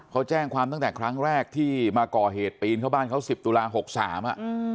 เขาแจ้งความตั้งแต่ครั้งแรกที่มาก่อเหตุปีนเข้าบ้านเขาสิบตุลา๖๓อ่ะ